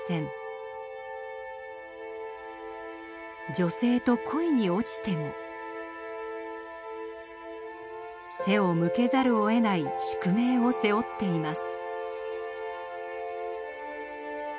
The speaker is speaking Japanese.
女性と恋に落ちても背を向けざるをえない宿命を背負っています。